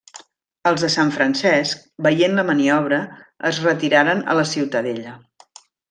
Els de Sant Francesc, veient la maniobra es retiraren a la ciutadella.